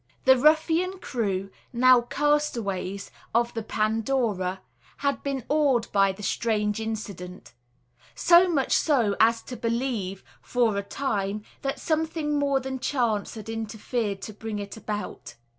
The ruffian crew now castaways of the Pandora had been awed by the strange incident, so much so as to believe, for a time, that something more than chance had interfered to bring it about.